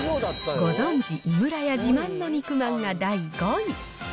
ご存じ、井村屋自慢の肉まんが第５位。